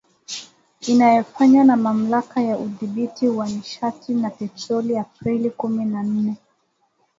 Inayofanywa na Mamlaka ya Udhibiti wa Nishati na Petroli Aprili kumi na nne.